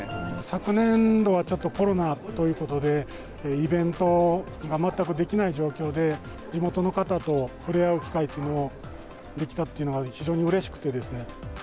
昨年度はちょっと、コロナということで、イベントが全くできない状況で、地元の方と触れ合う機会というのができたっていうのが、非常にうれしくて。